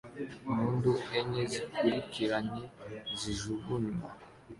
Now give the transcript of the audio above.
Impundu enye zikurikiranye zijugunywa